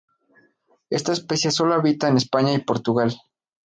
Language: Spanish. Esta especie solo habita en España y Portugal.